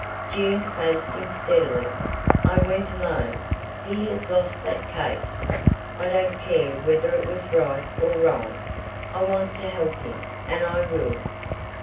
June faced him steadily. "I went alone. He has lost that case. I don't care whether it was right or wrong. I want to help him; and _I will!